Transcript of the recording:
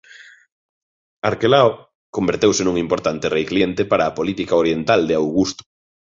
Arquelao converteuse nun importante rei cliente para a política oriental de Augusto.